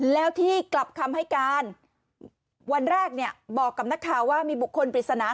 แล้วที่กลับคำให้การวันแรกเนี่ยบอกกับนักข่าวว่ามีบุคคลปริศนา